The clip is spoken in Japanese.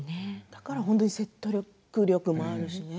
だから本当に説得力もあるしね。